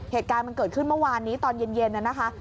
เหตุการณ์มันเกิดขึ้นเมื่อวานนี้ตอนเย็นนะคะ